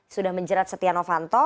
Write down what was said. sudah menjerat setia novanto